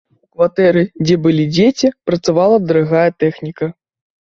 У кватэры, дзе былі дзеці, працавала дарагая тэхніка.